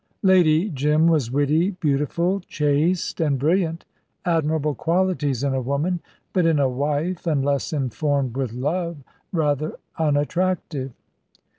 Lady Jim was witty, beautiful, chaste and brilliant admirable qualities in a woman, but in a wife, unless informed with love, rather unattractive.